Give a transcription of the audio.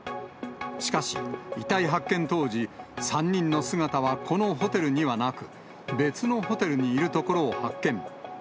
しかし、遺体発見当時、３人の姿はこのホテルにはなく、別のホテルにいるところを発見。